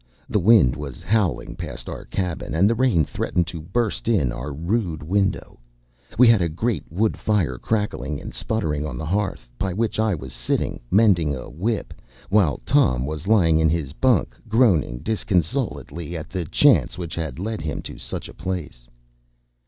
The wind was howling past our cabin, and the rain threatened to burst in our rude window. We had a great wood fire crackling and sputtering on the hearth, by which I was sitting mending a whip, while Tom was lying in his bunk groaning disconsolately at the chance which had led him to such a place.